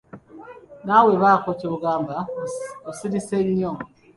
Nawe baako ky'ogamba osirise nnyo.